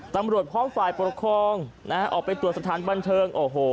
ตำรวจพร้อมฝ่ายปกครองนะฮะออกไปตรวจสถานบันเทิงโอ้โห